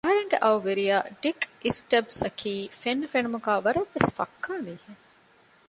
އަހަރެންގެ އައު ވެރިޔާ ޑިކް އިސްޓަބްސް އަކީ ފެންނަ ފެނުމުގައި ވަރަށް ވެސް ފައްކާ މީހެއް